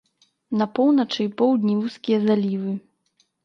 На поўначы і поўдні вузкія залівы.